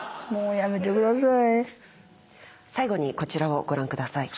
最後にこちらをご覧ください。